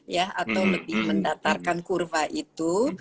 ya atau lebih mendatarkan kurva itu